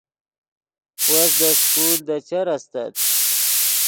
وس دے سکول دے چر استت